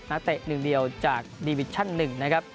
เตะหนึ่งเดียวจากดีวิชชั่น๑นะครับ